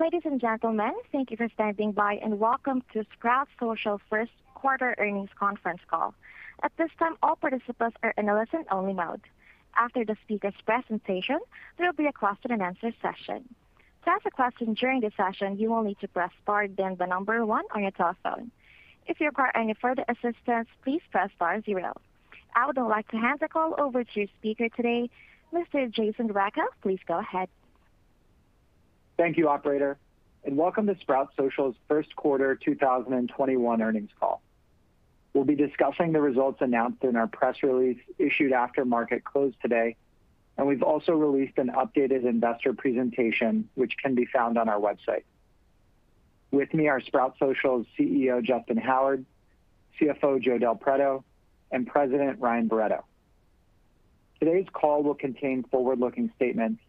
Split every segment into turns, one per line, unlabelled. Ladies and gentlemen, thank you for standing by and welcome to Sprout Social first quarter earnings conference call. At this time, all participants are in a listen-only mode. After the speaker's presentation, there will be a question and answer session. To ask a question during the session, you will need to press star then the number one on your telephone. If you require any further assistance, please press star zero. I would like to hand the call over to speaker today, Mr. Jason Rechel. Please go ahead.
Thank you, operator, and welcome to Sprout Social's first quarter 2021 earnings call. We'll be discussing the results announced in our press release issued after market close today, and we've also released an updated investor presentation which can be found on our website. With me are Sprout Social's CEO, Justyn Howard, CFO, Joe Del Preto, and President Ryan Barretto. Today's call will contain forward-looking statements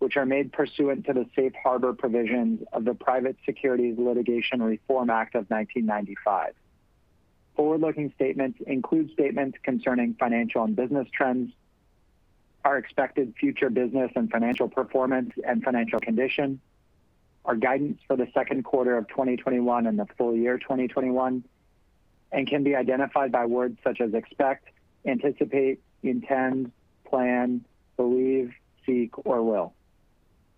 which are made pursuant to the Safe Harbor provisions of the Private Securities Litigation Reform Act of 1995. Forward-looking statements include statements concerning financial and business trends, our expected future business and financial performance and financial condition, our guidance for the second quarter of 2021 and the full year 2021, and can be identified by words such as expect, anticipate, intend, plan, believe, seek, or will.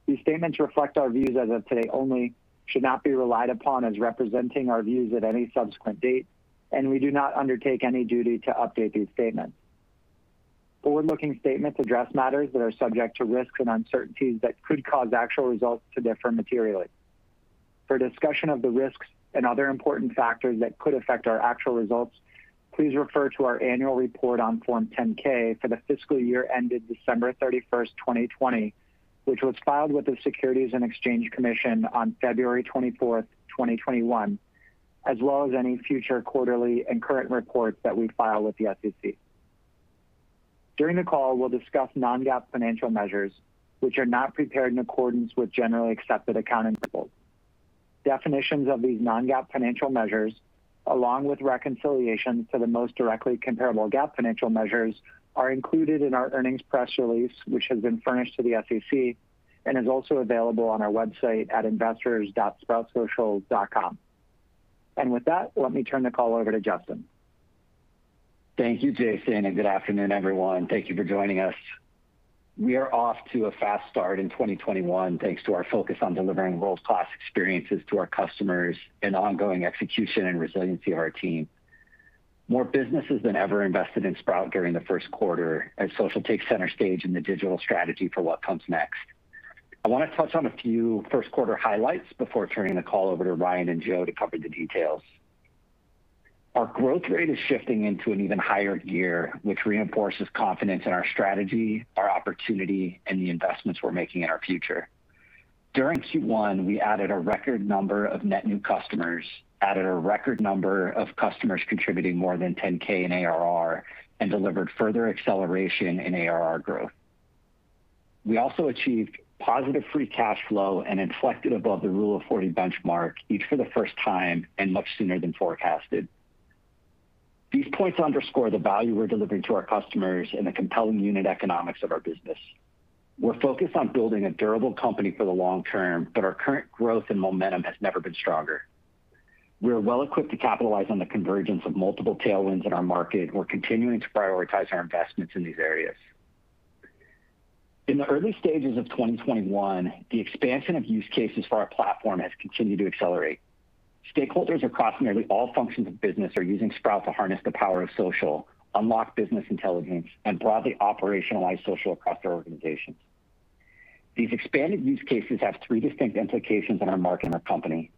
These statements reflect our views as of today only, should not be relied upon as representing our views at any subsequent date, and we do not undertake any duty to update these statements. Forward-looking statements address matters that are subject to risks and uncertainties that could cause actual results to differ materially. For a discussion of the risks and other important factors that could affect our actual results, please refer to our annual report on Form 10-K for the fiscal year ended December 31st, 2020, which was filed with the Securities and Exchange Commission on February 24th, 2021, as well as any future quarterly and current reports that we file with the SEC. During the call, we'll discuss non-GAAP financial measures which are not prepared in accordance with generally accepted accounting principles. Definitions of these non-GAAP financial measures, along with reconciliation to the most directly comparable GAAP financial measures, are included in our earnings press release, which has been furnished to the SEC and is also available on our website at investors.sproutsocial.com. With that, let me turn the call over to Justyn.
Thank you, Jason, and good afternoon, everyone. Thank you for joining us. We are off to a fast start in 2021, thanks to our focus on delivering world-class experiences to our customers and the ongoing execution and resiliency of our team. More businesses than ever invested in Sprout during the first quarter as social takes center stage in the digital strategy for what comes next. I want to touch on a few first quarter highlights before turning the call over to Ryan and Joe to cover the details. Our growth rate is shifting into an even higher gear, which reinforces confidence in our strategy, our opportunity, and the investments we're making in our future. During Q1, we added a record number of net new customers, added a record number of customers contributing more than 10K in ARR, and delivered further acceleration in ARR growth. We also achieved positive free cash flow and inflected above the Rule of 40 benchmark, each for the first time and much sooner than forecasted. These points underscore the value we're delivering to our customers and the compelling unit economics of our business. Our current growth and momentum has never been stronger. We are well equipped to capitalize on the convergence of multiple tailwinds in our market, we're continuing to prioritize our investments in these areas. In the early stages of 2021, the expansion of use cases for our platform has continued to accelerate. Stakeholders across nearly all functions of business are using Sprout to harness the power of social, unlock business intelligence, and broadly operationalize social across their organizations. These expanded use cases have three distinct implications in our market and our company.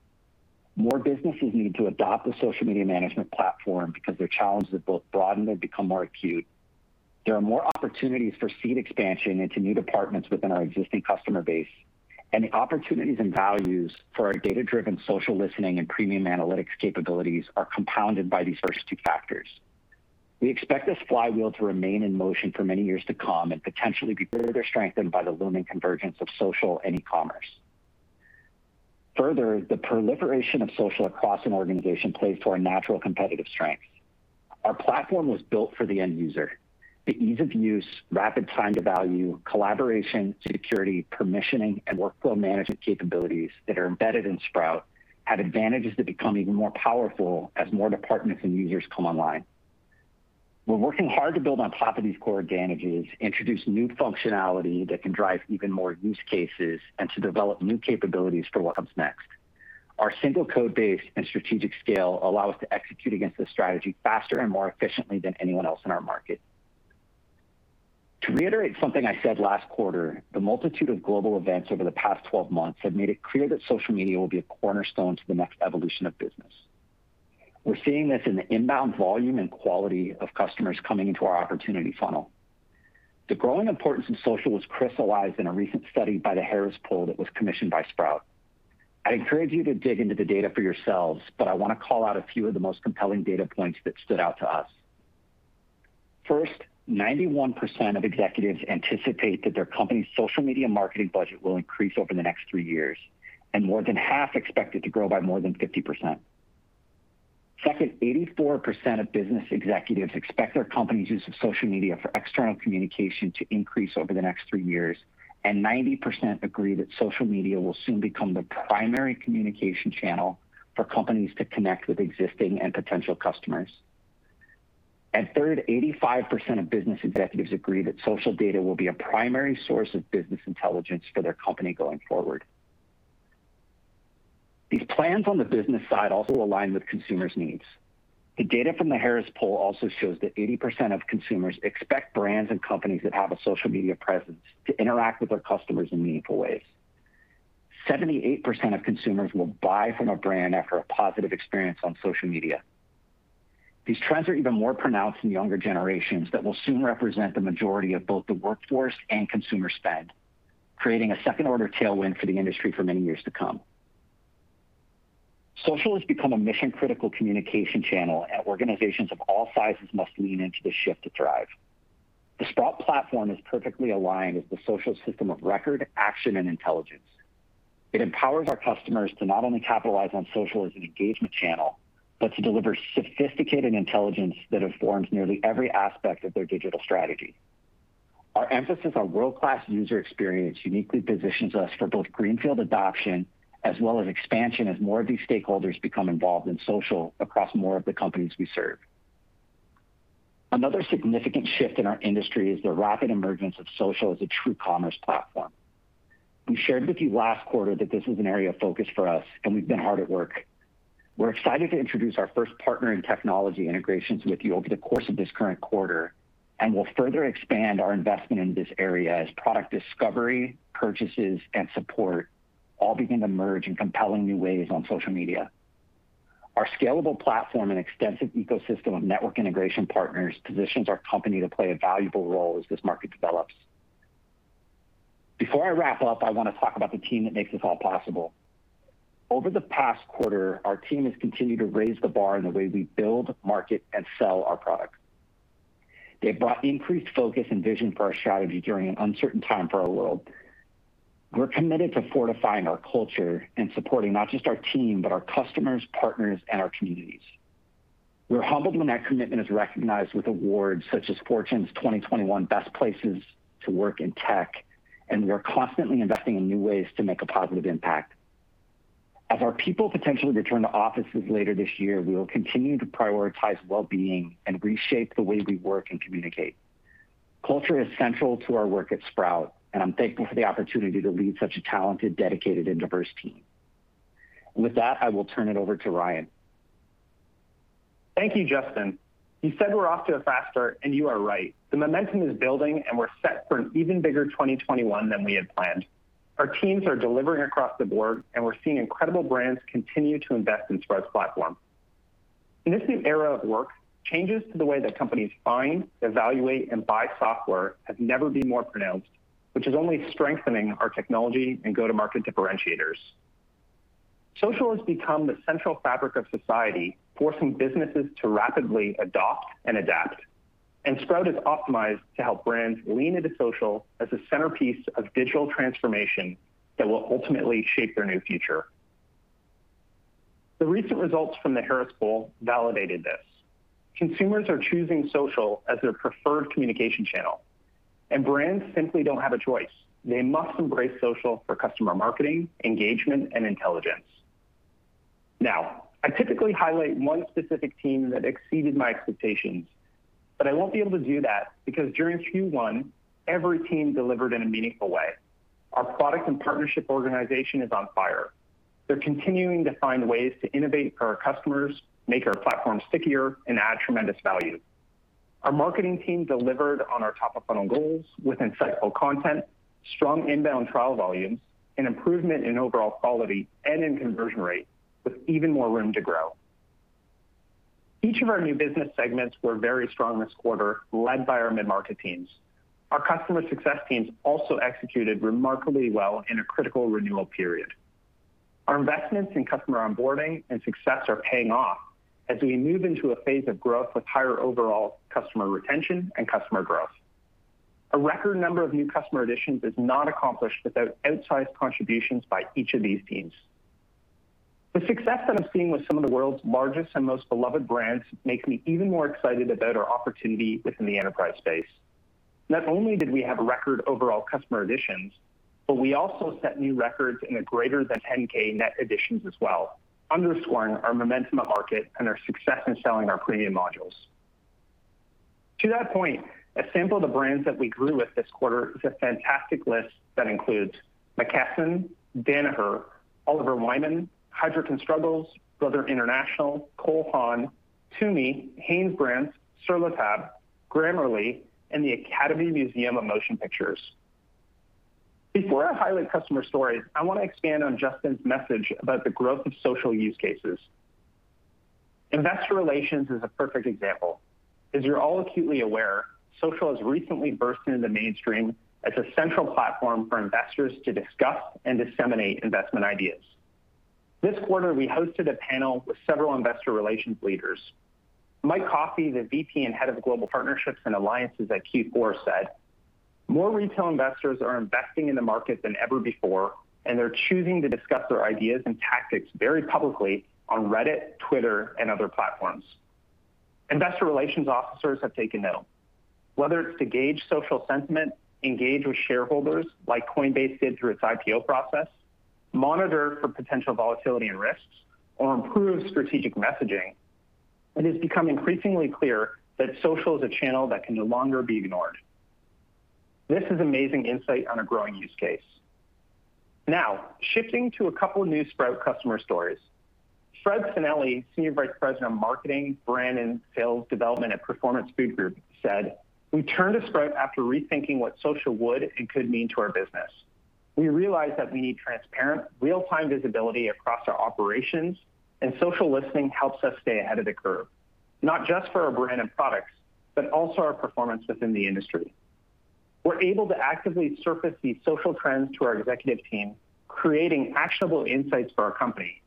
More businesses need to adopt the social media management platform because their challenges have both broadened and become more acute. There are more opportunities for seed expansion into new departments within our existing customer base, and the opportunities and values for our data-driven social listening and premium analytics capabilities are compounded by these first two factors. We expect this flywheel to remain in motion for many years to come and potentially be further strengthened by the looming convergence of social and e-commerce. Further, the proliferation of social across an organization plays to our natural competitive strength. Our platform was built for the end user. The ease of use, rapid time to value, collaboration, security, permissioning, and workflow management capabilities that are embedded in Sprout Social have advantages that become even more powerful as more departments and users come online. We're working hard to build on top of these core advantages, introduce new functionality that can drive even more use cases, and to develop new capabilities for what comes next. Our single code base and strategic scale allow us to execute against this strategy faster and more efficiently than anyone else in our market. To reiterate something I said last quarter, the multitude of global events over the past 12 months have made it clear that social media will be a cornerstone to the next evolution of business. We're seeing this in the inbound volume and quality of customers coming into our opportunity funnel. The growing importance of social was crystallized in a recent study by The Harris Poll that was commissioned by Sprout. I'd encourage you to dig into the data for yourselves, but I want to call out a few of the most compelling data points that stood out to us. First, 91% of executives anticipate that their company's social media marketing budget will increase over the next three years, and more than half expect it to grow by more than 50%. Second, 84% of business executives expect their company's use of social media for external communication to increase over the next three years, and 90% agree that social media will soon become the primary communication channel for companies to connect with existing and potential customers. Third, 85% of business executives agree that social data will be a primary source of business intelligence for their company going forward. These plans on the business side also align with consumers' needs. The data from The Harris Poll also shows that 80% of consumers expect brands and companies that have a social media presence to interact with their customers in meaningful ways. 78% of consumers will buy from a brand after a positive experience on social media. These trends are even more pronounced in younger generations that will soon represent the majority of both the workforce and consumer spend, creating a second order tailwind for the industry for many years to come. Social has become a mission-critical communication channel. Organizations of all sizes must lean into the shift to thrive. The Sprout platform is perfectly aligned as the social system of record, action, and intelligence. It empowers our customers to not only capitalize on social as an engagement channel, but to deliver sophisticated intelligence that informs nearly every aspect of their digital strategy. Our emphasis on world-class user experience uniquely positions us for both greenfield adoption as well as expansion as more of these stakeholders become involved in social across more of the companies we serve. Another significant shift in our industry is the rapid emergence of social as a true commerce platform. We shared with you last quarter that this was an area of focus for us, and we've been hard at work. We're excited to introduce our first partner in technology integrations with you over the course of this current quarter, and will further expand our investment in this area as product discovery, purchases, and support all begin to merge in compelling new ways on social media. Our scalable platform and extensive ecosystem of network integration partners positions our company to play a valuable role as this market develops. Before I wrap up, I want to talk about the team that makes this all possible. Over the past quarter, our team has continued to raise the bar in the way we build, market, and sell our products. They've brought increased focus and vision for our strategy during an uncertain time for our world. We're committed to fortifying our culture and supporting not just our team, but our customers, partners, and our communities. We're humbled when that commitment is recognized with awards such as Fortune's 2021 Best Places to Work in Tech, and we're constantly investing in new ways to make a positive impact. As our people potentially return to offices later this year, we will continue to prioritize wellbeing and reshape the way we work and communicate. Culture is central to our work at Sprout, I'm thankful for the opportunity to lead such a talented, dedicated, and diverse team. With that, I will turn it over to Ryan.
Thank you, Justyn. You said we're off to a fast start. You are right. The momentum is building. We're set for an even bigger 2021 than we had planned. Our teams are delivering across the board. We're seeing incredible brands continue to invest in Sprout's platform. In this new era of work, changes to the way that companies find, evaluate, and buy software have never been more pronounced, which is only strengthening our technology and go-to-market differentiators. Social has become the central fabric of society, forcing businesses to rapidly adopt and adapt. Sprout is optimized to help brands lean into social as a centerpiece of digital transformation that will ultimately shape their new future. The recent results from The Harris Poll validated this. Consumers are choosing social as their preferred communication channel. Brands simply don't have a choice. They must embrace social for customer marketing, engagement, and intelligence. Now, I typically highlight one specific team that exceeded my expectations, but I won't be able to do that because during Q1, every team delivered in a meaningful way. Our product and partnership organization is on fire. They're continuing to find ways to innovate for our customers, make our platform stickier, and add tremendous value. Our marketing team delivered on our top-of-funnel goals with insightful content, strong inbound trial volumes, an improvement in overall quality, and in conversion rate, with even more room to grow. Each of our new business segments were very strong this quarter, led by our mid-market teams. Our customer success teams also executed remarkably well in a critical renewal period. Our investments in customer onboarding and success are paying off as we move into a phase of growth with higher overall customer retention and customer growth. A record number of new customer additions is not accomplished without outsized contributions by each of these teams. The success that I'm seeing with some of the world's largest and most beloved brands makes me even more excited about our opportunity within the enterprise space. Not only did we have record overall customer additions, but we also set new records in the greater than 10K net additions as well, underscoring our momentum of market and our success in selling our premium modules. To that point, a sample of the brands that we grew with this quarter is a fantastic list that includes McKesson, Danaher, Oliver Wyman, Heidrick & Struggles, Brother International, Cole Haan, TUMI, HanesBrands, Sur La Table, Grammarly, and the Academy Museum of Motion Pictures. Before I highlight customer stories, I want to expand on Justyn's message about the growth of social use cases. Investor relations is a perfect example. As you're all acutely aware, social has recently burst into the mainstream as a central platform for investors to discuss and disseminate investment ideas. This quarter, we hosted a panel with several investor relations leaders, Mike Coffey, the VP and Head of Global Partnerships and Alliances at Q4, said, "More retail investors are investing in the market than ever before, and they're choosing to discuss their ideas and tactics very publicly on Reddit, Twitter, and other platforms." Investor relations officers have taken note. Whether it's to gauge social sentiment, engage with shareholders like Coinbase did through its IPO process, monitor for potential volatility and risks, or improve strategic messaging, it is becoming increasingly clear that social is a channel that can no longer be ignored. This is amazing insight on a growing use case. Shifting to a couple of new Sprout customer stories. Fred Sanelli, Senior Vice President of Marketing, Brands, and Sales Development at Performance Food Group, said, "We turned to Sprout after rethinking what social would and could mean to our business. We realized that we need transparent, real-time visibility across our operations, and social listening helps us stay ahead of the curve, not just for our brand and products, but also our performance within the industry. We're able to actively surface these social trends to our executive team, creating actionable insights for our company.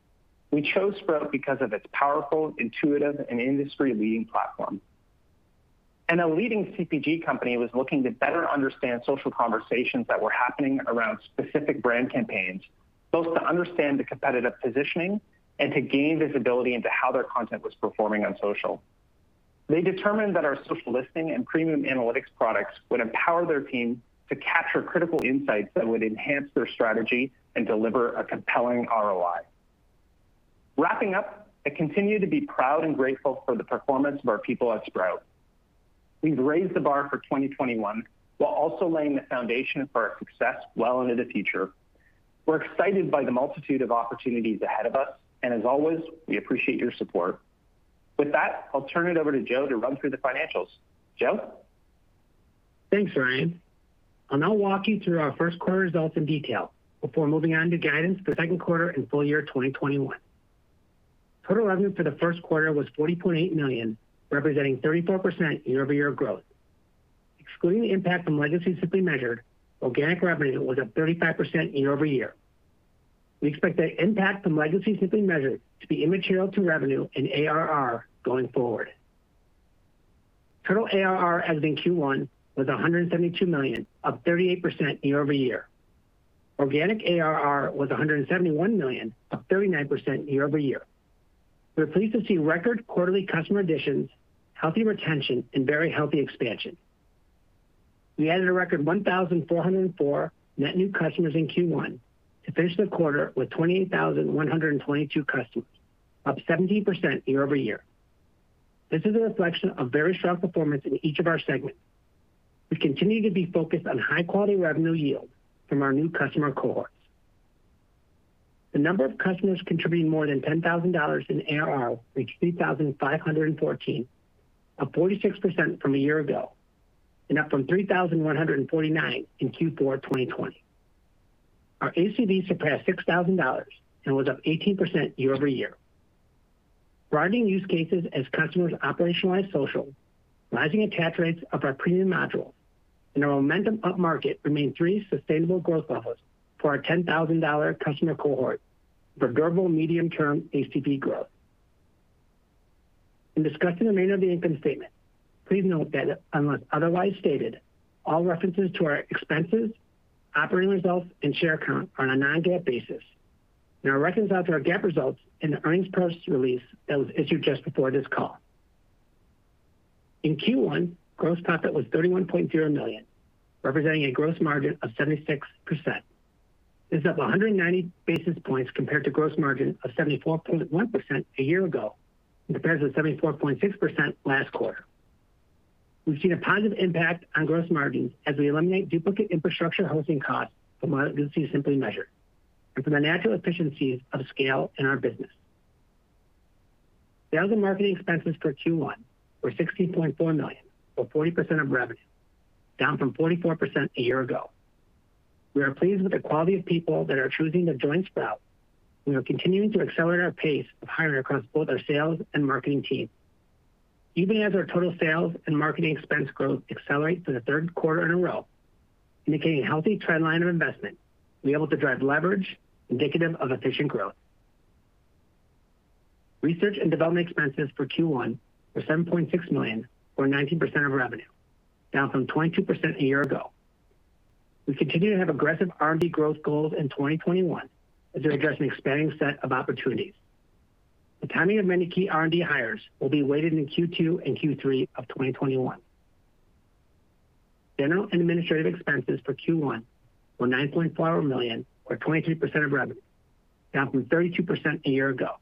We chose Sprout because of its powerful, intuitive, and industry-leading platform." A leading CPG company was looking to better understand social conversations that were happening around specific brand campaigns, both to understand the competitive positioning and to gain visibility into how their content was performing on social. They determined that our social listening and premium analytics products would empower their team to capture critical insights that would enhance their strategy and deliver a compelling ROI. Wrapping up, I continue to be proud and grateful for the performance of our people at Sprout. We've raised the bar for 2021 while also laying the foundation for our success well into the future. We're excited by the multitude of opportunities ahead of us, and as always, we appreciate your support. With that, I'll turn it over to Joe to run through the financials. Joe?
Thanks, Ryan. I'll now walk you through our first quarter results in detail before moving on to guidance for the second quarter and full year 2021. Total revenue for the first quarter was $40.8 million, representing 34% year-over-year growth. Excluding the impact from legacy Simply Measured, organic revenue was up 35% year-over-year. We expect the impact from legacy Simply Measured to be immaterial to revenue and ARR going forward. Total ARR as of Q1 was $172 million, up 38% year-over-year. Organic ARR was $171 million, up 39% year-over-year. We're pleased to see record quarterly customer additions, healthy retention, and very healthy expansion. We added a record 1,404 net new customers in Q1 to finish the quarter with 28,122 customers, up 17% year-over-year. This is a reflection of very strong performance in each of our segments. We continue to be focused on high-quality revenue yield from our new customer cohorts. The number of customers contributing more than $10,000 in ARR reached 3,514, up 46% from a year ago, and up from 3,149 in Q4 2020. Our ACV surpassed $6,000 and was up 18% year-over-year. Broadening use cases as customers operationalize social, rising attach rates of our premium modules, and our momentum upmarket remain three sustainable growth levers for our $10,000 customer cohort for durable medium-term ACV growth. In discussing the remainder of the income statement, please note that unless otherwise stated, all references to our expenses, operating results, and share count are on a non-GAAP basis, and are reconciled to our GAAP results in the earnings press release that was issued just before this call. In Q1, gross profit was $31.0 million, representing a gross margin of 76%. This is up 190 basis points compared to gross margin of 74.1% a year ago and compares with 74.6% last quarter. We've seen a positive impact on gross margin as we eliminate duplicate infrastructure hosting costs from our legacy Simply Measured and from the natural efficiencies of scale in our business. Sales and marketing expenses for Q1 were $16.4 million, or 40% of revenue, down from 44% a year ago. We are pleased with the quality of people that are choosing to join Sprout, we are continuing to accelerate our pace of hiring across both our sales and marketing teams. Even as our total sales and marketing expense growth accelerates for the third quarter in a row, indicating a healthy trend line of investment, we're able to drive leverage indicative of efficient growth. Research and development expenses for Q1 were $7.6 million or 19% of revenue, down from 22% a year ago. We continue to have aggressive R&D growth goals in 2021 as we address an expanding set of opportunities. The timing of many key R&D hires will be weighted in Q2 and Q3 of 2021. General and administrative expenses for Q1 were $9.4 million or 23% of revenue, down from 32% a year ago.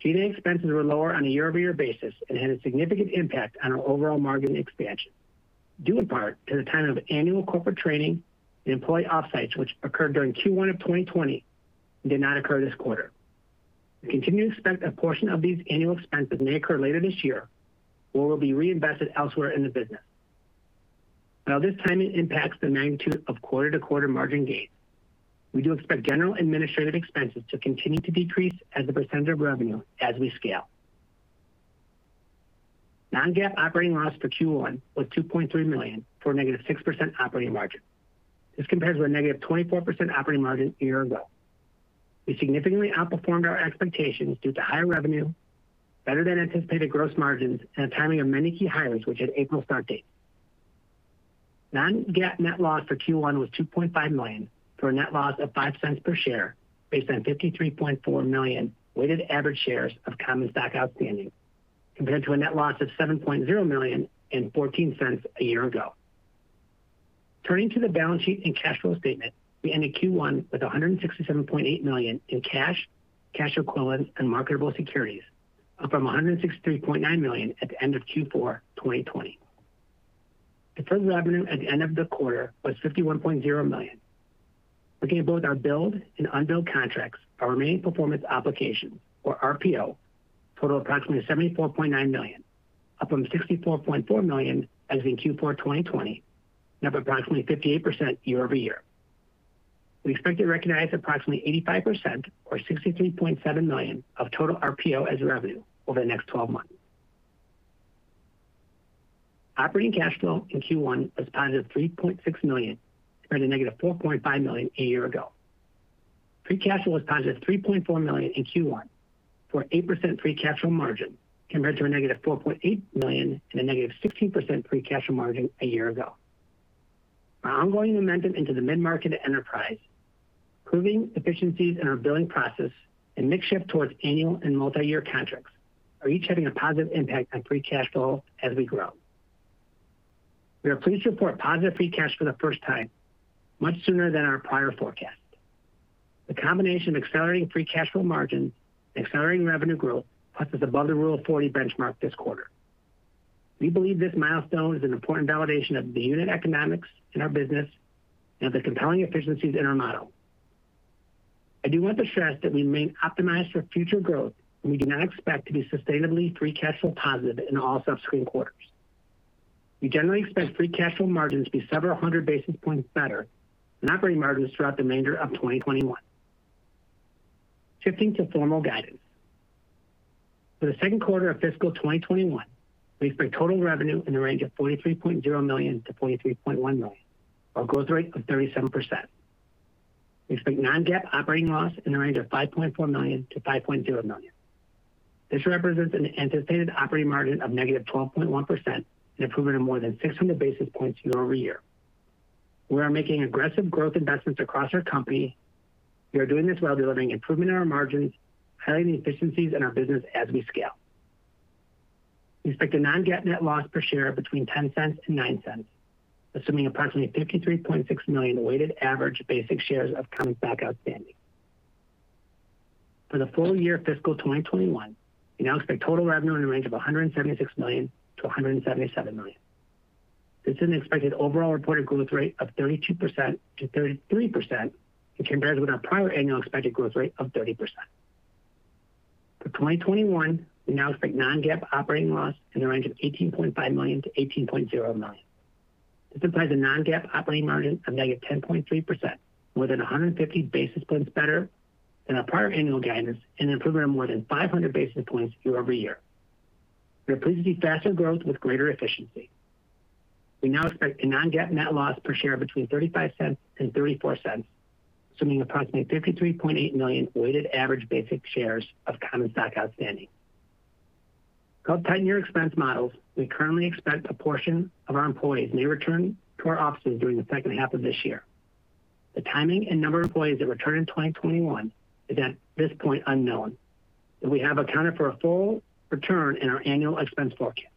G&A expenses were lower on a year-over-year basis and had a significant impact on our overall margin expansion, due in part to the timing of annual corporate training and employee off-sites, which occurred during Q1 of 2020 and did not occur this quarter. We continue to expect a portion of these annual expenses may occur later this year or will be reinvested elsewhere in the business. While this timing impacts the magnitude of quarter-to-quarter margin gains, we do expect general administrative expenses to continue to decrease as a percentage of revenue as we scale. Non-GAAP operating loss for Q1 was $2.3 million for a -6% operating margin. This compares with a -24% operating margin year ago. We significantly outperformed our expectations due to higher revenue, better than anticipated gross margins, and the timing of many key hires which had April start dates. Non-GAAP net loss for Q1 was $2.5 million, for a net loss of $0.05 per share based on 53.4 million weighted average shares of common stock outstanding, compared to a net loss of $7.0 million and $0.14 a year ago. Turning to the balance sheet and cash flow statement, we ended Q1 with $167.8 million in cash equivalents, and marketable securities, up from $163.9 million at the end of Q4 2020. Deferred revenue at the end of the quarter was $51.0 million. Looking at both our billed and unbilled contracts, our remaining performance obligation, or RPO, total approximately $74.9 million, up from $64.4 million as in Q4 2020 and up approximately 58% year-over-year. We expect to recognize approximately 85%, or $63.7 million, of total RPO as revenue over the next 12 months. Operating cash flow in Q1 was +$3.6 million, compared to -$4.5 million a year ago. Free cash flow was +$3.4 million in Q1, for 8% free cash flow margin compared to a -$4.8 million and a -16% free cash flow margin a year ago. Our ongoing momentum into the mid-market enterprise, improving efficiencies in our billing process, and mix shift towards annual and multi-year contracts are each having a positive impact on free cash flow as we grow. We are pleased to report positive free cash flow for the first time, much sooner than our prior forecast. The combination of accelerating free cash flow margin and accelerating revenue growth puts us above the rule of 40 benchmark this quarter. We believe this milestone is an important validation of the unit economics in our business and of the compelling efficiencies in our model. I do want to stress that we remain optimized for future growth, and we do not expect to be sustainably free cash flow positive in all subsequent quarters. We generally expect free cash flow margins to be several hundred basis points better than operating margins throughout the remainder of 2021. Shifting to formal guidance. For the second quarter of fiscal 2021, we expect total revenue in the range of $43.0 million-$43.1 million, a growth rate of 37%. We expect non-GAAP operating loss in the range of $5.4 million-$5.0 million. This represents an anticipated operating margin of -12.1% and improvement of more than 600 basis points year-over-year. We are making aggressive growth investments across our company. We are doing this while delivering improvement in our margins, highlighting the efficiencies in our business as we scale. We expect a non-GAAP net loss per share between $0.10-$0.09, assuming approximately 53.6 million weighted average basic shares of common stock outstanding. For the full year fiscal 2021, we now expect total revenue in the range of $176 million-$177 million. This is an expected overall reported growth rate of 32%-33%, which compares with our prior annual expected growth rate of 30%. For 2021, we now expect non-GAAP operating loss in the range of $18.5 million-$18.0 million. This implies a non-GAAP operating margin of -10.3%, more than 150 basis points better than our prior annual guidance, and an improvement of more than 500 basis points year-over-year. We're pleased to see faster growth with greater efficiency. We now expect a non-GAAP net loss per share between $0.35 and $0.34, assuming approximately 53.8 million weighted average basic shares of common stock outstanding. We've tightened our expense models. We currently expect a portion of our employees may return to our offices during the second half of this year. The timing and number of employees that return in 2021 is at this point unknown, but we have accounted for a full return in our annual expense forecast.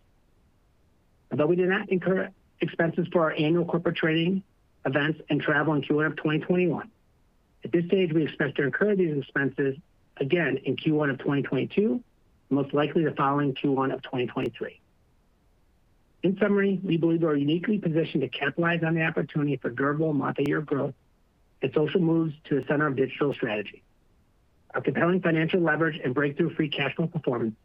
Although we do not incur expenses for our annual corporate training events and travel in Q1 of 2021, at this stage, we expect to incur these expenses again in Q1 of 2022, most likely the following Q1 of 2023. In summary, we believe we are uniquely positioned to capitalize on the opportunity for durable multi-year growth that social moves to the center of digital strategy. Our compelling financial leverage and breakthrough free cash flow performance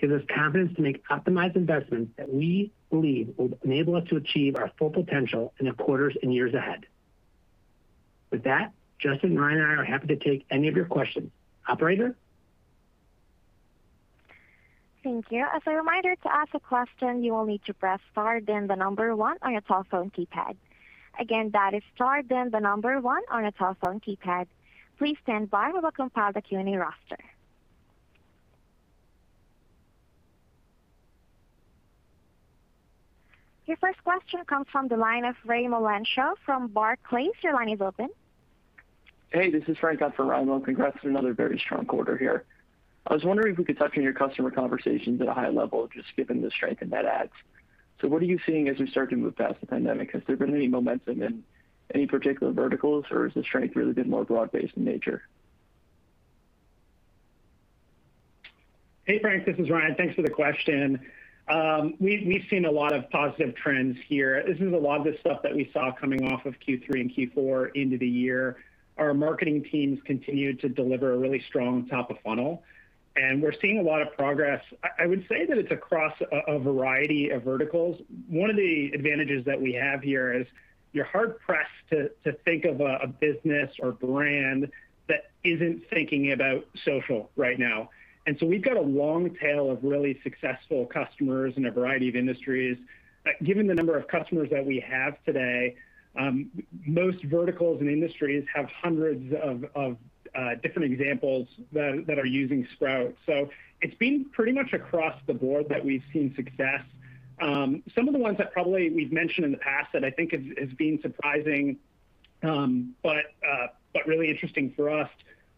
gives us confidence to make optimized investments that we believe will enable us to achieve our full potential in the quarters and years ahead. With that, Justyn, Ryan, and I are happy to take any of your questions. Operator?
Thank you. As a reminder, to ask a question, you will need to press star then the number one on your telephone keypad. Again, that is star then the number one on your telephone keypad. Please stand by while we compile the Q&A roster. Your first question comes from the line of Raimo Lenschow from Barclays. Your line is open.
Hey, this is Frank in for Raimo. Congrats on another very strong quarter here. I was wondering if we could touch on your customer conversations at a high level, just given the strength in net adds. What are you seeing as we start to move past the pandemic? Has there been any momentum in any particular verticals, or has the strength really been more broad-based in nature?
Hey, Frank, this is Ryan. Thanks for the question. We've seen a lot of positive trends here. This is a lot of the stuff that we saw coming off of Q3 and Q4 into the year. Our marketing teams continued to deliver a really strong top of funnel, and we're seeing a lot of progress. I would say that it's across a variety of verticals. One of the advantages that we have here is you're hard-pressed to think of a business or brand that isn't thinking about social right now. We've got a long tail of really successful customers in a variety of industries. Given the number of customers that we have today, most verticals and industries have hundreds of different examples that are using Sprout. It's been pretty much across the board that we've seen success. Some of the ones that probably we've mentioned in the past that I think has been surprising, but really interesting for us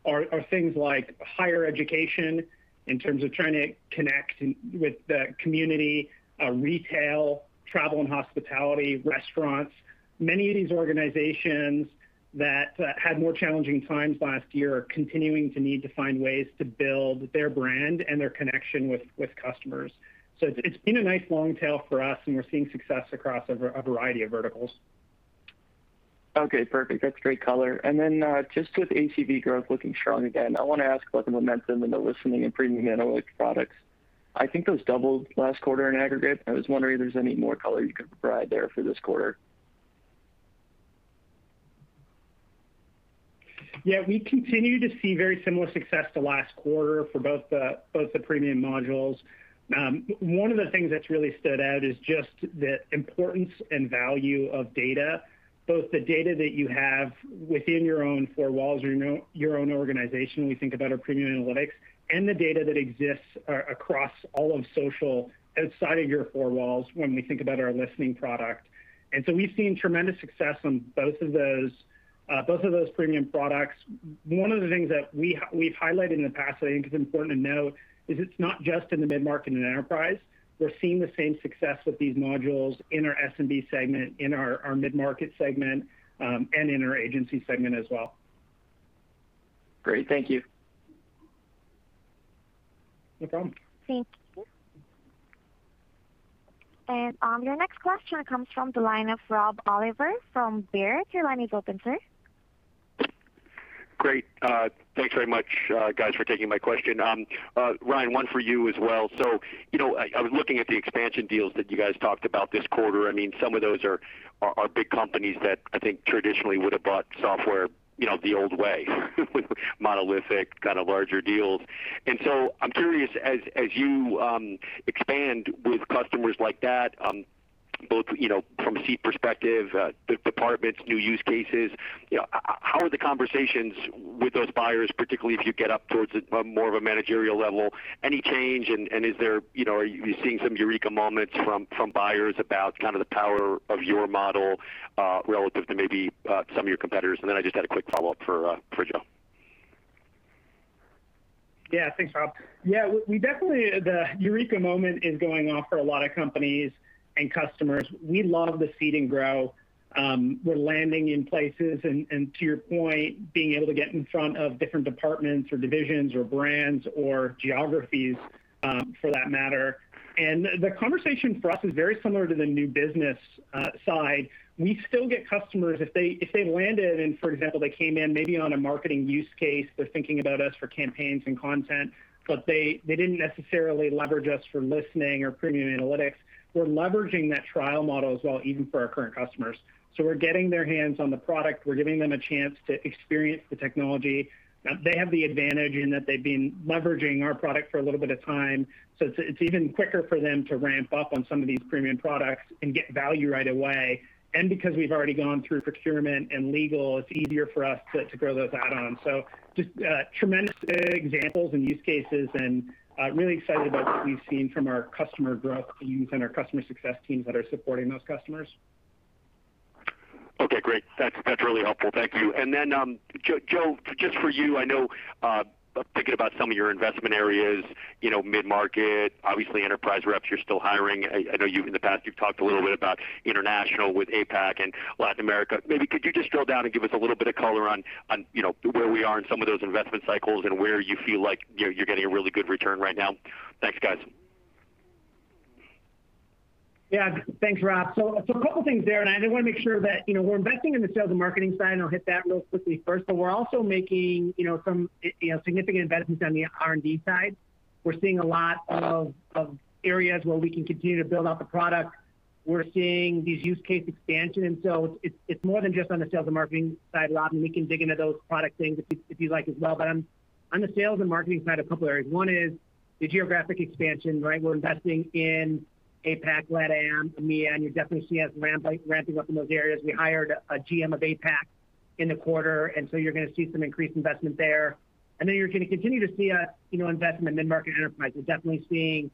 are things like higher education in terms of trying to connect with the community, retail, travel and hospitality, restaurants. Many of these organizations that had more challenging times last year are continuing to need to find ways to build their brand and their connection with customers. It's been a nice long tail for us, and we're seeing success across a variety of verticals.
Okay, perfect. That's great color. Just with ACV growth looking strong again, I want to ask about the momentum in the listening and premium analytics products. I think those doubled last quarter in aggregate, and I was wondering if there's any more color you could provide there for this quarter.
Yeah. We continue to see very similar success to last quarter for both the premium modules. One of the things that's really stood out is just the importance and value of data, both the data that you have within your own four walls or your own organization, when we think about our premium analytics, and the data that exists across all of social outside of your four walls when we think about our listening product. We've seen tremendous success on both of those premium products. One of the things that we've highlighted in the past, I think is important to note, is it's not just in the mid-market and enterprise. We're seeing the same success with these modules in our SMB segment, in our mid-market segment, and in our agency segment as well.
Great. Thank you.
No problem.
Thank you. Your next question comes from the line of Rob Oliver from Baird. Your line is open, sir.
Great. Thanks very much guys for taking my question. Ryan, one for you as well. I was looking at the expansion deals that you guys talked about this quarter. Some of those are big companies that I think traditionally would've bought software the old way, with monolithic, kind of larger deals. I'm curious, as you expand with customers like that, both from a seat perspective, the departments, new use cases, how are the conversations with those buyers, particularly if you get up towards more of a managerial level? Any change? Are you seeing some eureka moments from buyers about kind of the power of your model relative to maybe some of your competitors? I just had a quick follow-up for Joe.
Thanks, Rob. We definitely, the eureka moment is going off for a lot of companies and customers. We love the seed and grow. We're landing in places and, to your point, being able to get in front of different departments or divisions or brands, or geographies for that matter. The conversation for us is very similar to the new business side. We still get customers, if they landed and, for example, they came in maybe on a marketing use case, they're thinking about us for campaigns and content, but they didn't necessarily leverage us for listening or premium analytics. We're leveraging that trial model as well, even for our current customers. We're getting their hands on the product. We're giving them a chance to experience the technology. They have the advantage in that they've been leveraging our product for a little bit of time, so it's even quicker for them to ramp up on some of these premium products and get value right away. Because we've already gone through procurement and legal, it's easier for us to grow those add-ons. Just tremendous examples and use cases and really excited about what we've seen from our customer growth teams and our customer success teams that are supporting those customers.
Okay, great. That's really helpful. Thank you. Then, Joe, just for you, I know, thinking about some of your investment areas, mid-market, obviously enterprise reps you're still hiring. I know in the past you've talked a little bit about international with APAC and Latin America. Maybe could you just drill down and give us a little bit of color on where we are in some of those investment cycles and where you feel like you're getting a really good return right now? Thanks, guys.
Yeah. Thanks, Rob. A couple things there, and I did want to make sure that we're investing in the sales and marketing side, and I'll hit that real quickly first. We're also making some significant investments on the R&D side. We're seeing a lot of areas where we can continue to build out the product. We're seeing these use case expansion, and so it's more than just on the sales and marketing side, Rob, and we can dig into those product things if you'd like as well. On the sales and marketing side, a couple areas. One is the geographic expansion, right? We're investing in APAC, LATAM, EMEA, and you'll definitely see us ramping up in those areas. We hired a GM of APAC in the quarter, and so you're going to see some increased investment there. You're going to continue to see investment in mid-market enterprise. We're definitely seeing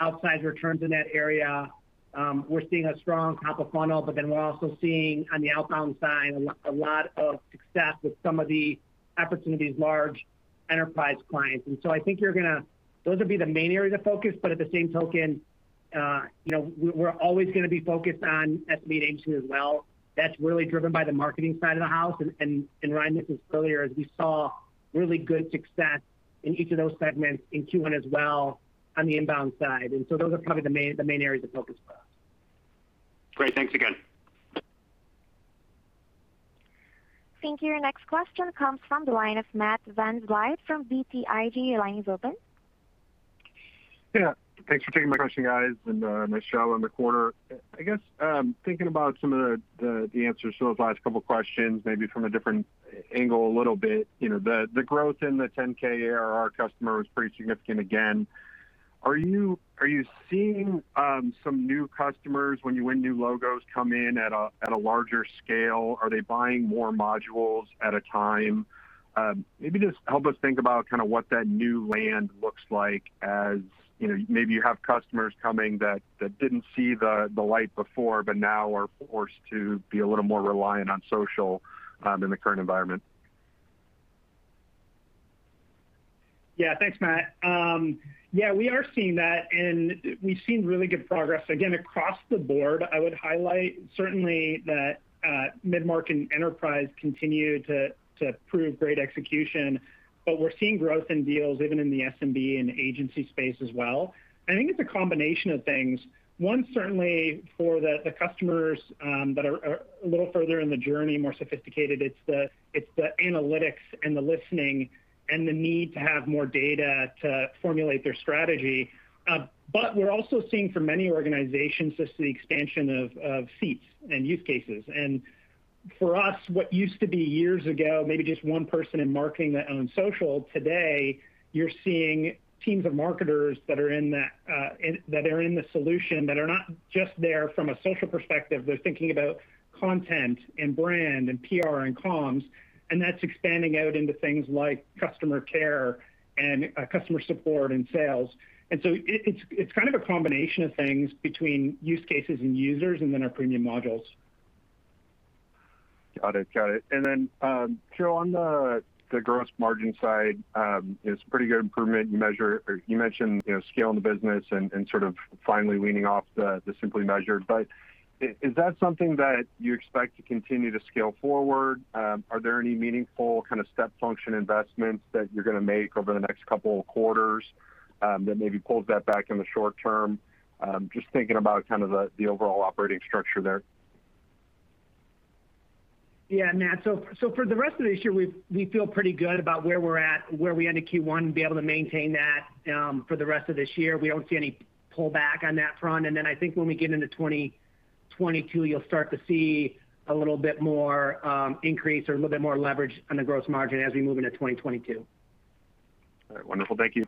outsized returns in that area. We're seeing a strong top of funnel, we're also seeing on the outbound side a lot of success with some of the opportunities, large enterprise clients. I think those will be the main areas of focus. At the same token, we're always going to be focused on SMB and agency as well. That's really driven by the marketing side of the house, and Ryan mentioned this earlier, as we saw really good success in each of those segments in Q1 as well on the inbound side. Those are probably the main areas of focus for us.
Great. Thanks again.
Thank you. Your next question comes from the line of Matt VanVliet from BTIG. Your line is open.
Yeah. Thanks for taking my question, guys, and nice job on the quarter. I guess, thinking about some of the answers to those last couple of questions, maybe from a different angle a little bit. The growth in the 10K ARR customer was pretty significant again. Are you seeing some new customers when you win new logos come in at a larger scale? Are they buying more modules at a time? Maybe just help us think about kind of what that new land looks like as maybe you have customers coming that didn't see the light before but now are forced to be a little more reliant on social in the current environment.
Thanks, Matt. We are seeing that, and we've seen really good progress. Across the board, I would highlight certainly that mid-market and enterprise continue to prove great execution. We're seeing growth in deals even in the SMB and agency space as well. I think it's a combination of things. Certainly for the customers that are a little further in the journey, more sophisticated, it's the analytics and the listening and the need to have more data to formulate their strategy. We're also seeing for many organizations, just the expansion of seats and use cases. For us, what used to be years ago, maybe just one person in marketing that owned social, today, you're seeing teams of marketers that are in the solution that are not just there from a social perspective. They're thinking about content and brand and PR and comms, and that's expanding out into things like customer care and customer support and sales. It's kind of a combination of things between use cases and users and then our premium modules.
Got it. Joe, on the gross margin side, it's pretty good improvement. You mentioned scaling the business and sort of finally weaning off the Simply Measured. Is that something that you expect to continue to scale forward? Are there any meaningful kind of step function investments that you're going to make over the next couple of quarters that maybe pulls that back in the short term? Just thinking about kind of the overall operating structure there.
Yeah, Matt. For the rest of this year, we feel pretty good about where we're at, where we end the Q1, be able to maintain that for the rest of this year. We don't see any pullback on that front. I think when we get into 2022, you'll start to see a little bit more increase or a little bit more leverage on the gross margin as we move into 2022.
All right. Wonderful. Thank you.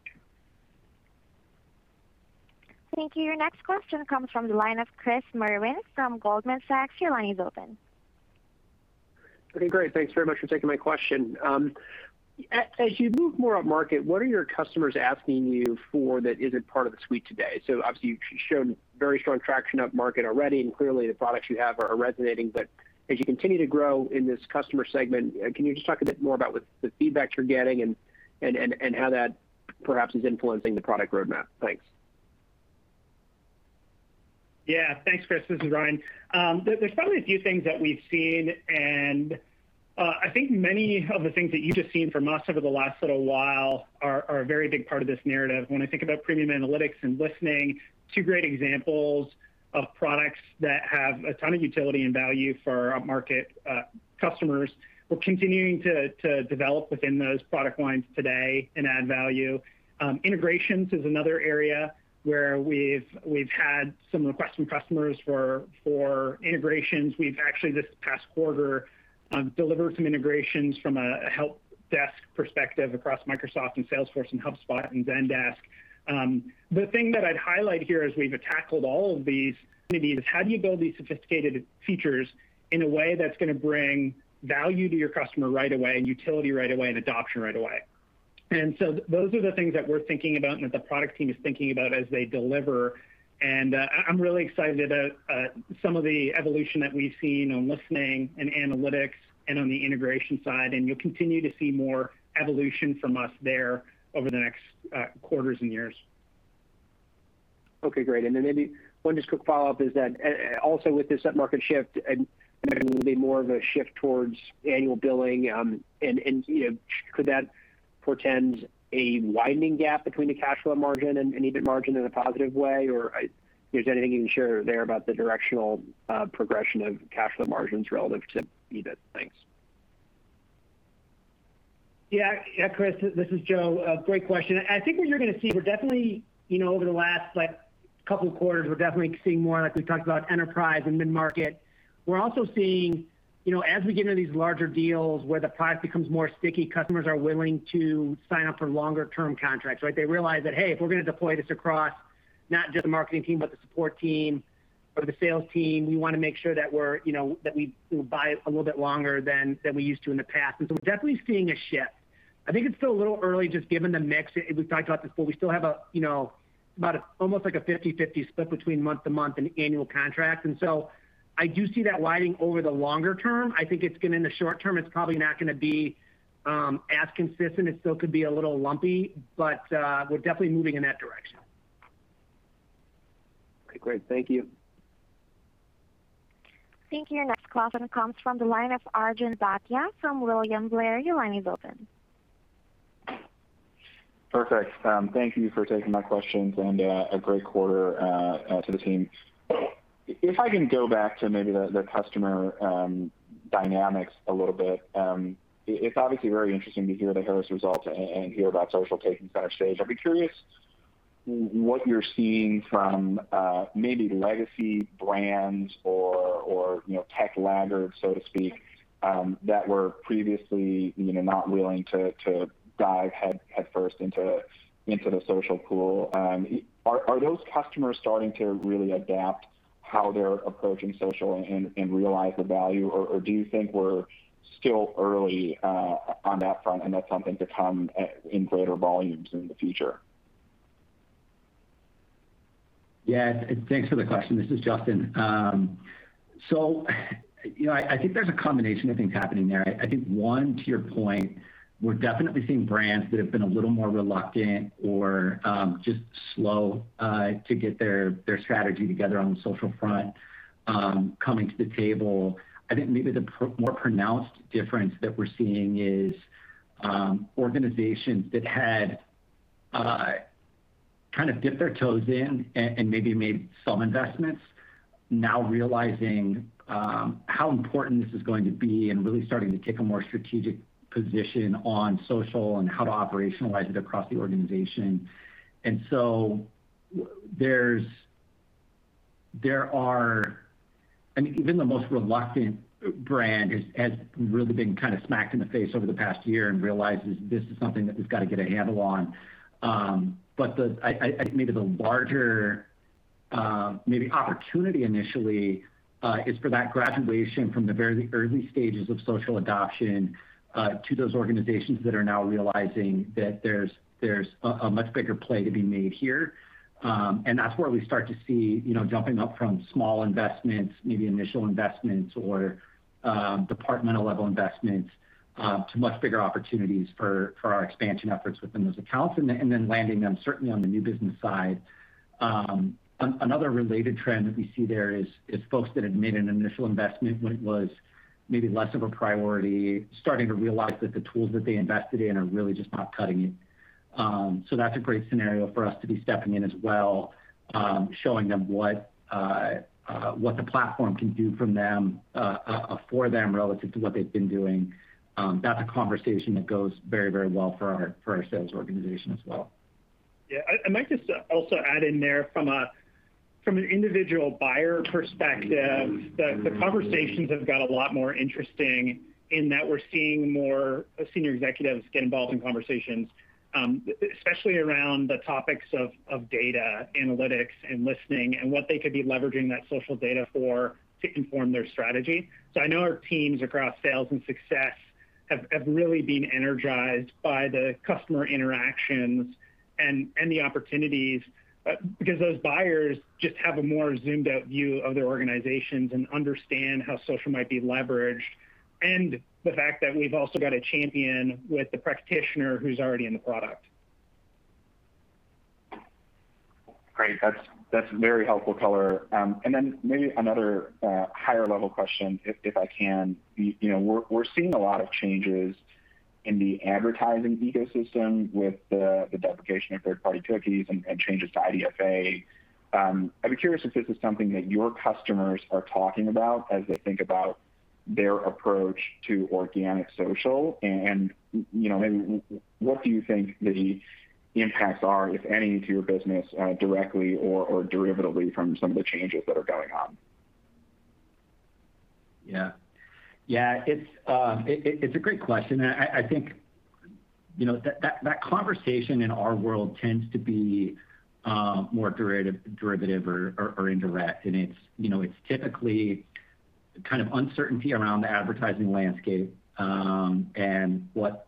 Thank you. Your next question comes from the line of Chris Merwin from Goldman Sachs. Your line is open.
Okay, great. Thanks very much for taking my question. As you move more up market, what are your customers asking you for that isn't part of the suite today? Obviously, you've shown very strong traction up market already, and clearly the products you have are resonating. As you continue to grow in this customer segment, can you just talk a bit more about the feedback you're getting and how that perhaps is influencing the product roadmap? Thanks.
Yeah. Thanks, Chris. This is Ryan. There's probably a few things that we've seen, and I think many of the things that you've just seen from us over the last little while are a very big part of this narrative. When I think about premium analytics and listening, two great examples of products that have a ton of utility and value for our up-market customers. We're continuing to develop within those product lines today and add value. Integrations is another area where we've had some requests from customers for integrations. We've actually, this past quarter, delivered some integrations from a help desk perspective across Microsoft and Salesforce and HubSpot and Zendesk. The thing that I'd highlight here as we've tackled all of these, maybe, is how do you build these sophisticated features in a way that's going to bring value to your customer right away, and utility right away, and adoption right away? Those are the things that we're thinking about and that the product team is thinking about as they deliver. I'm really excited about some of the evolution that we've seen on listening and analytics and on the integration side, and you'll continue to see more evolution from us there over the next quarters and years.
Okay, great. Then maybe one just quick follow-up is that also with this up-market shift, and there will be more of a shift towards annual billing, and could that portend a widening gap between the cash flow margin and EBIT margin in a positive way? If there's anything you can share there about the directional progression of cash flow margins relative to EBIT? Thanks.
Yeah, Chris, this is Joe. Great question. I think what you're going to see, over the last couple of quarters, we're definitely seeing more, like we talked about, enterprise and mid-market. We're also seeing as we get into these larger deals where the product becomes more sticky, customers are willing to sign up for longer-term contracts, right? They realize that, hey, if we're going to deploy this across not just the marketing team, but the support team or the sales team, we want to make sure that we buy a little bit longer than we used to in the past. We're definitely seeing a shift. I think it's still a little early just given the mix. We've talked about this before, we still have about almost like a 50/50 split between month-to-month and annual contracts. I do see that widening over the longer term. I think in the short term, it's probably not going to be as consistent. It still could be a little lumpy, but we're definitely moving in that direction. Great. Thank you.
Thank you. Your next question comes from the line of Arjun Bhatia from William Blair. Your line is open.
Perfect. Thank you for taking my questions, and a great quarter to the team. If I can go back to maybe the customer dynamics a little bit, it's obviously very interesting to hear The Harris Poll results and hear about social taking center stage. I'd be curious what you're seeing from maybe legacy brands or tech laggards, so to speak, that were previously not willing to dive headfirst into the social pool. Are those customers starting to really adapt how they're approaching social and realize the value, or do you think we're still early on that front and that's something to come in greater volumes in the future?
Yeah. Thanks for the question. This is Justyn. I think there's a combination of things happening there. I think one, to your point, we're definitely seeing brands that have been a little more reluctant or just slow to get their strategy together on the social front coming to the table. I think maybe the more pronounced difference that we're seeing is organizations that had kind of dipped their toes in and maybe made some investments, now realizing how important this is going to be and really starting to take a more strategic position on social and how to operationalize it across the organization. Even the most reluctant brand has really been kind of smacked in the face over the past year and realizes this is something that we've got to get a handle on. I think maybe the larger opportunity initially is for that graduation from the very early stages of social adoption to those organizations that are now realizing that there's a much bigger play to be made here. That's where we start to see jumping up from small investments, maybe initial investments, or departmental level investments, to much bigger opportunities for our expansion efforts within those accounts, and then landing them certainly on the new business side. Another related trend that we see there is folks that had made an initial investment when it was maybe less of a priority, starting to realize that the tools that they invested in are really just not cutting it. That's a great scenario for us to be stepping in as well, showing them what the platform can do for them relative to what they've been doing. That's a conversation that goes very well for our sales organization as well.
Yeah. I might just also add in there from an individual buyer perspective, the conversations have got a lot more interesting in that we're seeing more senior executives get involved in conversations, especially around the topics of data analytics and listening, and what they could be leveraging that social data for to inform their strategy. I know our teams across sales and success have really been energized by the customer interactions and the opportunities, because those buyers just have a more zoomed out view of their organizations and understand how social might be leveraged. The fact that we've also got a champion with the practitioner who's already in the product.
Great. That's very helpful color. Then maybe another higher level question, if I can. We're seeing a lot of changes in the advertising ecosystem with the deprecation of third party cookies and changes to IDFA. I'd be curious if this is something that your customers are talking about as they think about their approach to organic social, and maybe what do you think the impacts are, if any, to your business directly or derivatively from some of the changes that are going on?
It's a great question, and I think that conversation in our world tends to be more derivative or indirect, and it's typically kind of uncertainty around the advertising landscape, and what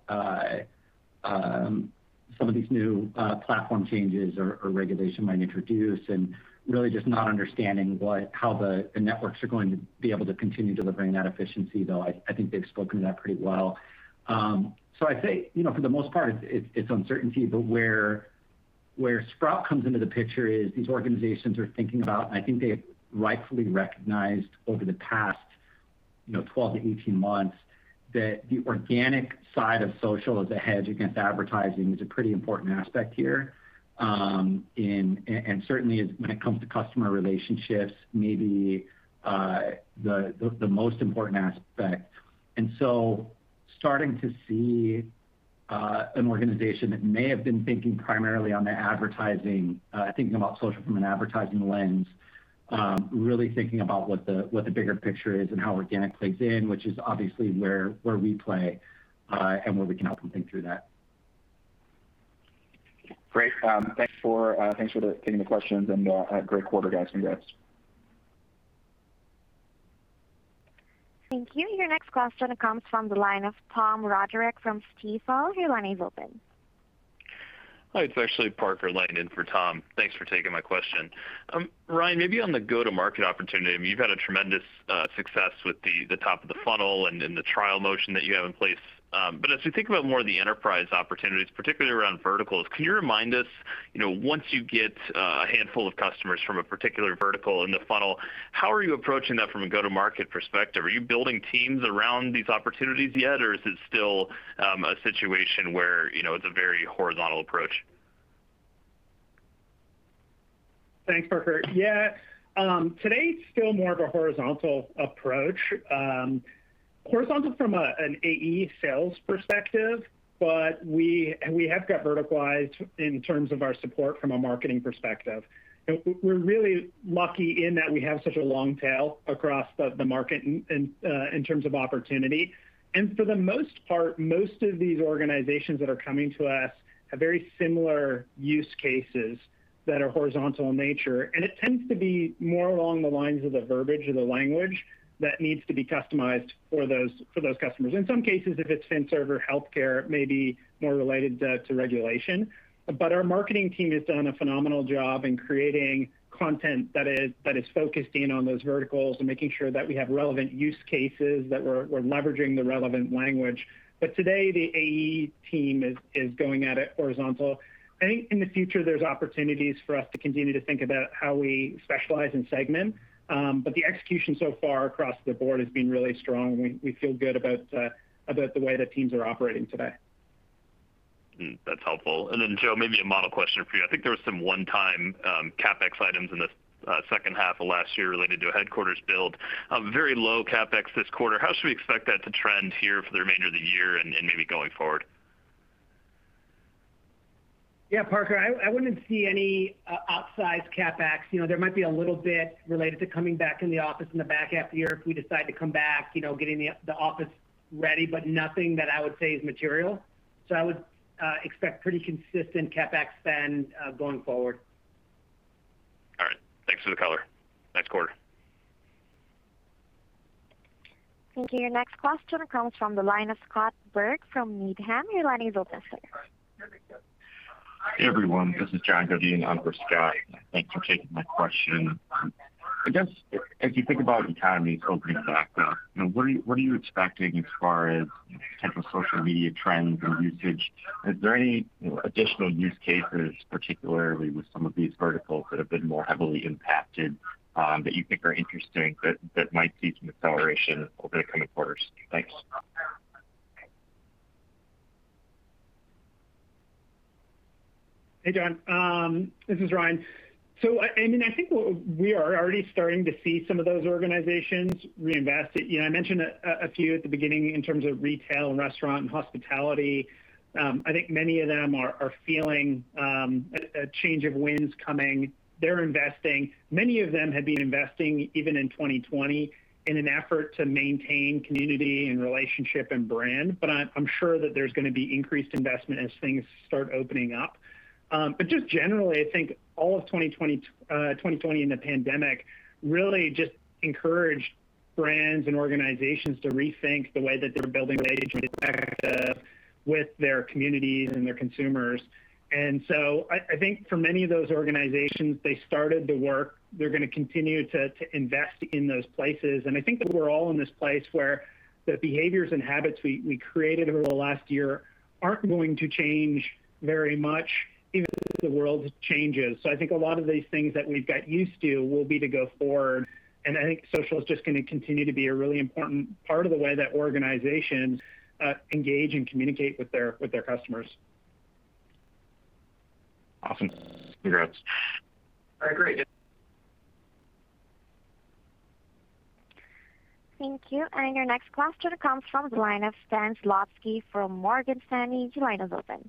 some of these new platform changes or regulation might introduce, and really just not understanding how the networks are going to be able to continue delivering that efficiency, though I think they've spoken to that pretty well. I'd say, for the most part, it's uncertainty, but where Sprout comes into the picture is these organizations are thinking about, and I think they rightfully recognized over the past 12-18 months, that the organic side of social as a hedge against advertising is a pretty important aspect here. Certainly when it comes to customer relationships, maybe the most important aspect. Starting to see an organization that may have been thinking primarily on the advertising, thinking about social from an advertising lens, really thinking about what the bigger picture is and how organic plays in, which is obviously where we play, and where we can help them think through that.
Great. Thanks for taking the questions and a great quarter, guys, congrats.
Thank you. Your next question comes from the line of Tom Roderick from Stifel. Your line is open.
Hi, it's actually Parker Lane, in for Tom. Thanks for taking my question. Ryan, maybe on the go-to-market opportunity, you've had a tremendous success with the top of the funnel and then the trial motion that you have in place. As we think about more of the enterprise opportunities, particularly around verticals, can you remind us, once you get a handful of customers from a particular vertical in the funnel, how are you approaching that from a go-to-market perspective? Are you building teams around these opportunities yet, or is it still a situation where it's a very horizontal approach?
Thanks, Parker. Yeah. Today it's still more of a horizontal approach. Horizontal from an AE sales perspective, but we have got verticalized in terms of our support from a marketing perspective. We're really lucky in that we have such a long tail across the market in terms of opportunity. For the most part, most of these organizations that are coming to us have very similar use cases that are horizontal in nature, and it tends to be more along the lines of the verbiage or the language that needs to be customized for those customers. In some cases, if it's fin-serv healthcare, it may be more related to regulation. Our marketing team has done a phenomenal job in creating content that is focused in on those verticals and making sure that we have relevant use cases, that we're leveraging the relevant language. Today the AE team is going at it horizontal. I think in the future, there's opportunities for us to continue to think about how we specialize and segment. The execution so far across the board has been really strong, and we feel good about the way the teams are operating today.
That's helpful. Joe, maybe a model question for you. I think there was some one-time CapEx items in the second half of last year related to a headquarters build. A very low CapEx this quarter. How should we expect that to trend here for the remainder of the year and maybe going forward?
Yeah, Parker, I wouldn't see any outsized CapEx. There might be a little bit related to coming back in the office in the back half of the year if we decide to come back, getting the office ready. Nothing that I would say is material. I would expect pretty consistent CapEx spend going forward.
All right. Thanks for the color. Nice quarter.
Thank you. Your next question comes from the line of Scott Berg from Needham. Your line is open, sir.
Hey, everyone, this is John Godin on for Scott. Thanks for taking my question. I guess if you think about economies opening back up, what are you expecting as far as type of social media trends and usage? Is there any additional use cases, particularly with some of these verticals that have been more heavily impacted, that you think are interesting that might see some acceleration over the coming quarters? Thanks.
Hey, John. This is Ryan. I think we are already starting to see some of those organizations reinvest it. I mentioned a few at the beginning in terms of retail and restaurant and hospitality. I think many of them are feeling a change of winds coming. They're investing. Many of them had been investing even in 2020 in an effort to maintain community and relationship and brand. I'm sure that there's going to be increased investment as things start opening up. Just generally, I think all of 2020 and the pandemic really just encouraged brands and organizations to rethink the way that they're building relationships with their communities and their consumers. I think for many of those organizations, they started the work. They're going to continue to invest in those places. I think that we're all in this place where the behaviors and habits we created over the last year aren't going to change very much, even if the world changes. I think a lot of these things that we've got used to will be to go forward. I think social is just going to continue to be a really important part of the way that organizations engage and communicate with their customers.
Awesome. Congrats.
All right, great.
Thank you. Your next question comes from the line of Stan Zlotsky from Morgan Stanley. Your line is open.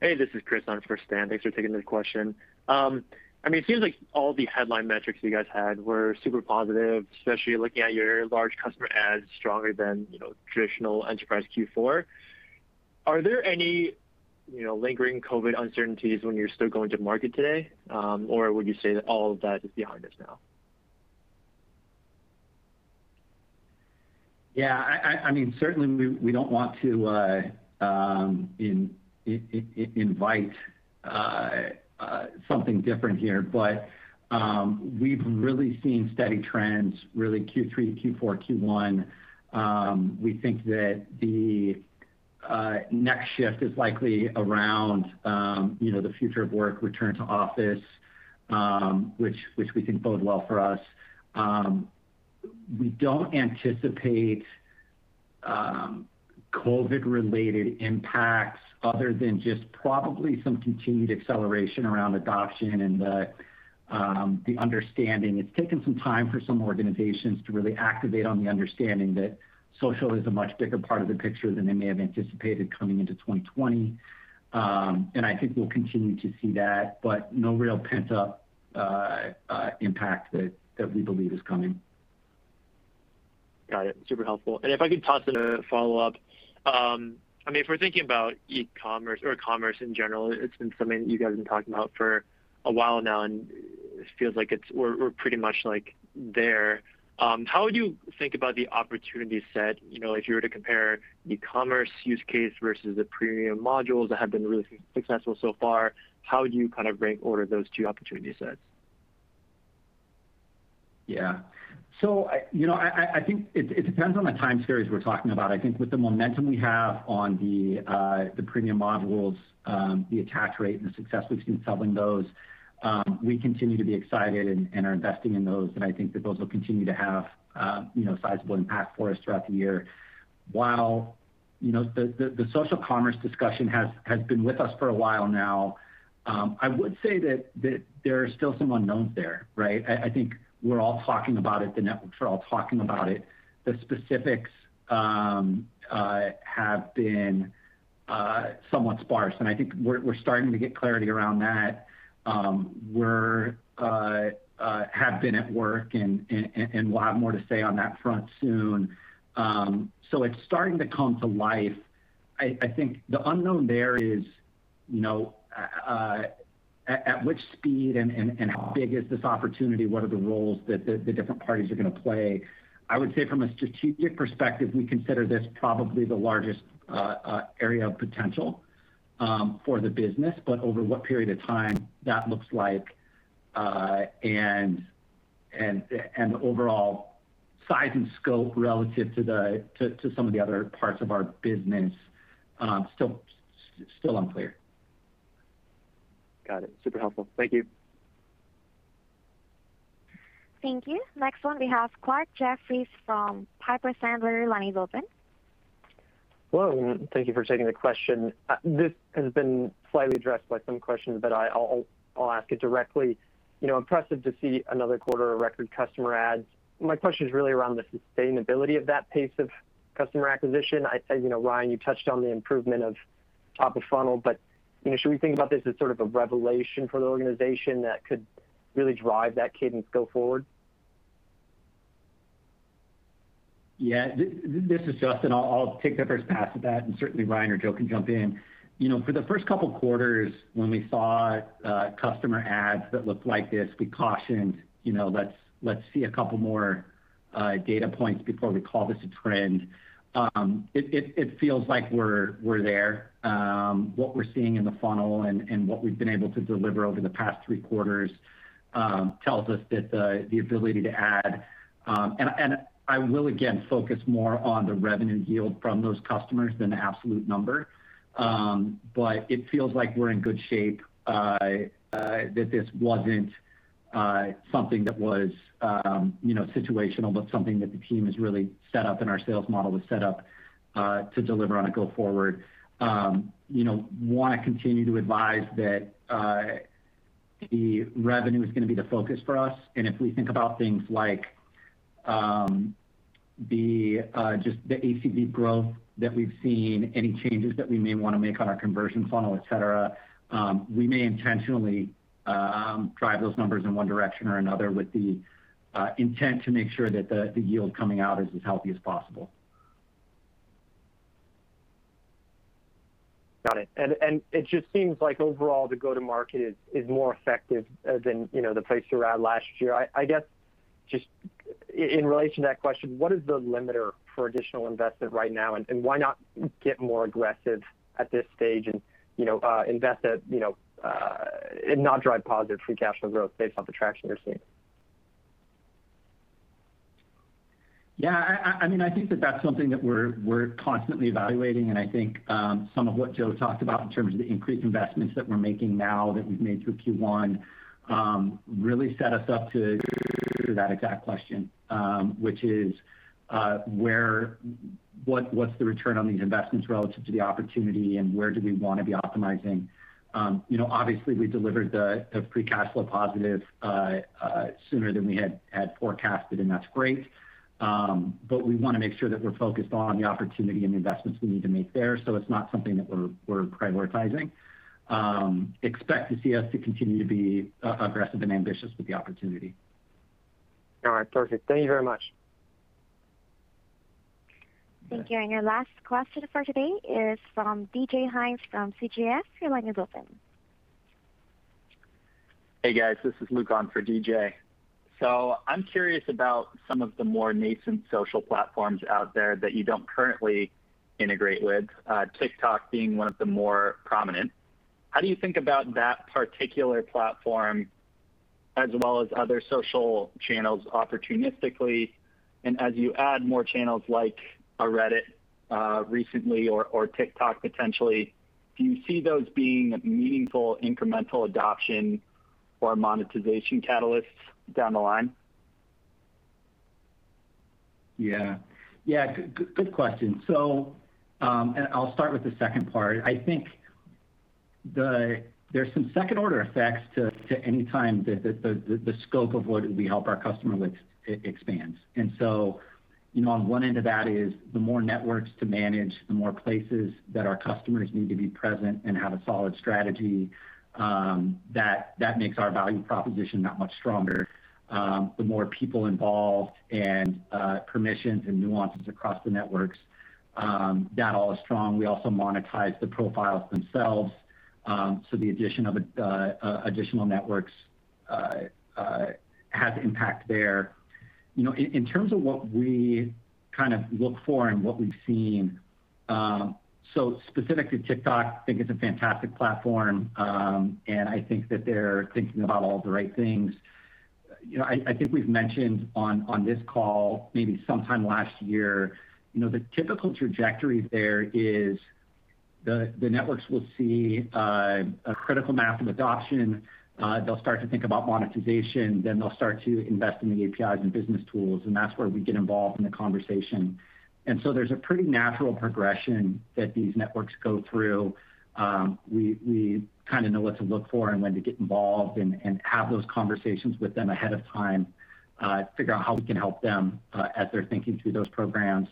Hey, this is Chris on for Stan. Thanks for taking this question. It seems like all the headline metrics you guys had were super positive, especially looking at your large customer adds stronger than traditional enterprise Q4. Are there any lingering COVID uncertainties when you're still going to market today? Would you say that all of that is behind us now?
Yeah. Certainly, we don't want to invite something different here, but we've really seen steady trends, really Q3, Q4, Q1. We think that the next shift is likely around the future of work return to office, which we think bodes well for us. We don't anticipate COVID-related impacts other than just probably some continued acceleration around adoption and the understanding. It's taken some time for some organizations to really activate on the understanding that social is a much bigger part of the picture than they may have anticipated coming into 2020. I think we'll continue to see that, but no real pent-up impact that we believe is coming.
Got it. Super helpful. If I could toss in a follow-up. If we're thinking about e-commerce or commerce in general, it's been something you guys have been talking about for a while now and it feels like we're pretty much there. How would you think about the opportunity set if you were to compare the commerce use case versus the premium modules that have been really successful so far? How would you rank order those two opportunity sets?
Yeah. I think it depends on the time series we're talking about. I think with the momentum we have on the premium modules, the attach rate, and the success we've seen selling those, we continue to be excited and are investing in those. I think that those will continue to have a sizable impact for us throughout the year. While the social commerce discussion has been with us for a while now, I would say that there are still some unknowns there, right? I think we're all talking about it, the networks are all talking about it. The specifics have been somewhat sparse, and I think we're starting to get clarity around that. We have been at work, and we'll have more to say on that front soon. It's starting to come to life. I think the unknown there is at which speed and how big is this opportunity? What are the roles that the different parties are going to play? I would say from a strategic perspective, we consider this probably the largest area of potential for the business, but over what period of time that looks like, and the overall size and scope relative to some of the other parts of our business, still unclear.
Got it. Super helpful. Thank you.
Thank you. Next one we have Clarke Jeffries from Piper Sandler. Line is open.
Hello, and thank you for taking the question. This has been slightly addressed by some questions, but I'll ask it directly. Impressive to see another quarter of record customer adds. My question is really around the sustainability of that pace of customer acquisition. I say, Ryan, you touched on the improvement of top of funnel, but should we think about this as sort of a revelation for the organization that could really drive that cadence go forward?
Yeah. This is Justyn. I'll take the first pass at that, and certainly Ryan or Joe can jump in. For the first couple of quarters, when we saw customer adds that looked like this, we cautioned, "Let's see a couple more data points before we call this a trend." It feels like we're there. What we're seeing in the funnel and what we've been able to deliver over the past three quarters tells us that the ability to add, and I will again focus more on the revenue yield from those customers than the absolute number. It feels like we're in good shape, that this wasn't something that was situational, but something that the team has really set up and our sales model was set up to deliver on a go forward. Want to continue to advise that the revenue is going to be the focus for us. If we think about things like just the ACV growth that we've seen, any changes that we may want to make on our conversion funnel, et cetera, we may intentionally drive those numbers in one direction or another with the intent to make sure that the yield coming out is as healthy as possible.
Got it. It just seems like overall the go to market is more effective than the pace throughout last year. I guess, just in relation to that question, what is the limiter for additional investment right now, and why not get more aggressive at this stage and invest it, and not drive positive free cash flow growth based off the traction you're seeing?
Yeah. I think that that's something that we're constantly evaluating, and I think some of what Joe talked about in terms of the increased investments that we're making now, that we've made through Q1, really set us up to answer that exact question, which is, what's the return on these investments relative to the opportunity, and where do we want to be optimizing? Obviously, we delivered the free cash flow positive sooner than we had forecasted, and that's great. We want to make sure that we're focused on the opportunity and the investments we need to make there, so it's not something that we're prioritizing. Expect to see us to continue to be aggressive and ambitious with the opportunity.
All right, perfect. Thank you very much.
Thank you. Your last question for today is from DJ Hynes from CGS. Your line is open.
Hey, guys. This is Luke on for DJ. I'm curious about some of the more nascent social platforms out there that you don't currently integrate with, TikTok being one of the more prominent. How do you think about that particular platform, as well as other social channels opportunistically? As you add more channels like a Reddit recently or TikTok potentially, do you see those being meaningful incremental adoption or monetization catalysts down the line?
Yeah. Good question. I'll start with the second part. I think there's some second order effects to any time that the scope of what we help our customer with expands. On one end of that is the more networks to manage, the more places that our customers need to be present and have a solid strategy. That makes our value proposition that much stronger. The more people involved and permissions and nuances across the networks, that all is strong. We also monetize the profiles themselves. The addition of additional networks has impact there. In terms of what we look for and what we've seen, specifically TikTok, I think it's a fantastic platform, and I think that they're thinking about all the right things. I think we've mentioned on this call, maybe sometime last year, the typical trajectory there is the networks will see a critical mass of adoption. They'll start to think about monetization, then they'll start to invest in the APIs and business tools. That's where we get involved in the conversation. There's a pretty natural progression that these networks go through. We know what to look for and when to get involved and have those conversations with them ahead of time, figure out how we can help them as they're thinking through those programs.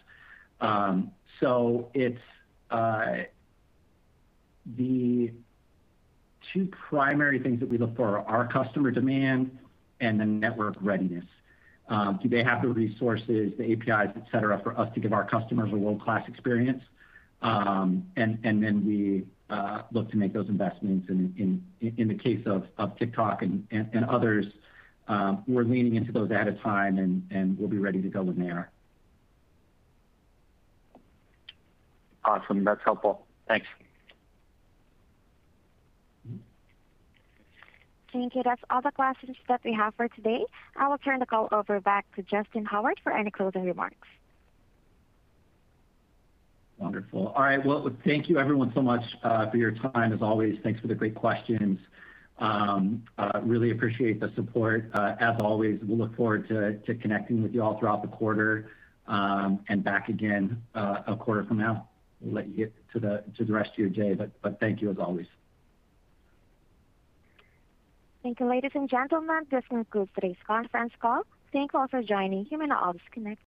The two primary things that we look for are customer demand and the network readiness. Do they have the resources, the APIs, et cetera, for us to give our customers a world-class experience? We look to make those investments. In the case of TikTok and others, we're leaning into those ahead of time, and we'll be ready to go when they are.
Awesome. That's helpful. Thanks.
Thank you. That's all the questions that we have for today. I will turn the call over back to Justyn Howard for any closing remarks.
Wonderful. All right. Well, thank you everyone so much for your time. As always, thanks for the great questions. Really appreciate the support. As always, we'll look forward to connecting with you all throughout the quarter, and back again a quarter from now. We'll let you get to the rest of your day, but thank you as always.
Thank you, ladies and gentlemen. This concludes today's conference call. Thank you all for joining. You may now disconnect.